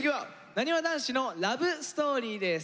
なにわ男子のラブストーリーです。